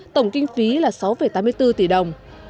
tổng kinh phí là sáu tám mươi bốn tỷ đồng